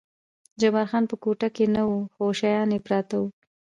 جبار خان په کوټه کې نه و، خو شیان یې پراته و.